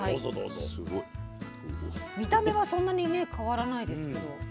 見た目はそんなにね変わらないですけど。